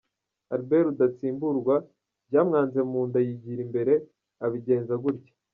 Albert Rudatsimburwa byamwanze mu nda yigira imbere abigenza gutya.